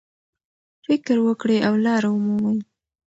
فکر وکړئ او لاره ومومئ.